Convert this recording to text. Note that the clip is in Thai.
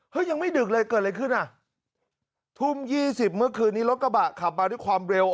ยังไม่ดึกเลยเกิดอะไรขึ้นอ่ะทุ่มยี่สิบเมื่อคืนนี้รถกระบะขับมาด้วยความเร็ว